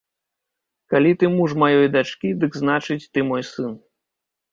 Калі ты муж маёй дачкі, дык, значыць, ты мой сын.